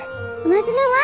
同じ名前？